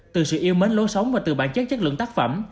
từ sự yêu mến lối sống và từ bản chất chất lượng tác phẩm